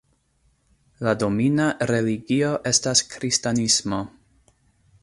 La domina religio estas kristanismo.